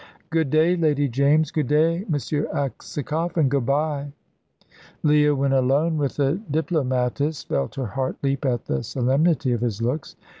"Good day, Lady James. Good day, M. Aksakoff, and good bye." Leah, when alone with the diplomatist, felt her heart leap at the solemnity of his looks.